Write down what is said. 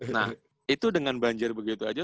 nah itu dengan banjir begitu aja